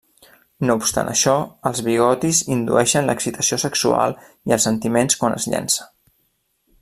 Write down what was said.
No obstant això, els bigotis indueixen l'excitació sexual i els sentiments quan es llença.